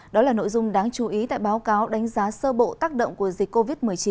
đó là nội dung đáng chú ý tại báo cáo đánh giá sơ bộ tác động của dịch covid một mươi chín